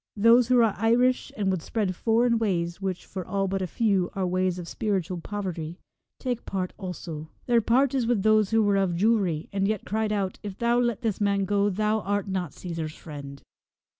Those who are Irish and would spread foreign ways, which, for all but a few, are ways of spiritual poverty, take part also. Their part is with those who were of Jewry, and yet cried out, ' If thou let this man go thou art not Caesar's friend.'